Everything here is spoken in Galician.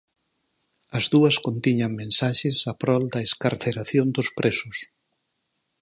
As dúas contiñan mensaxes a prol da excarceración dos presos.